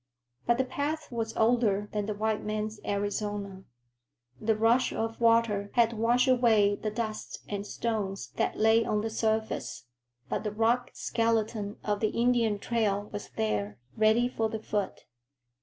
But the path was older than the white man's Arizona. The rush of water had washed away the dust and stones that lay on the surface, but the rock skeleton of the Indian trail was there, ready for the foot.